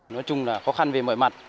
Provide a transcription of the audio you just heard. nói chung là khó khăn về mọi mặt